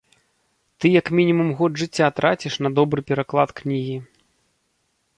Ты як мінімум год жыцця траціш на добры пераклад кнігі.